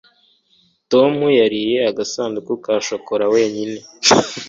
tom yariye agasanduku ka shokora wenyine